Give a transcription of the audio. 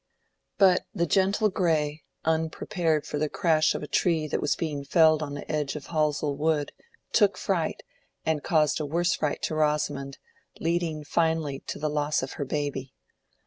But the gentle gray, unprepared for the crash of a tree that was being felled on the edge of Halsell wood, took fright, and caused a worse fright to Rosamond, leading finally to the loss of her baby.